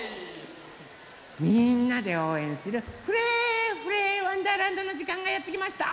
みんなでおうえんする「フレフレわんだーらんど」のじかんがやってきました！